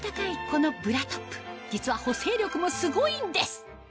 このブラトップ実は補整力もすごいんです